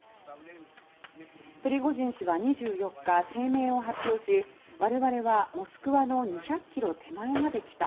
プリゴジン氏は２４日声明を発表し我々はモスクワの２００ｋｍ手前まで来た。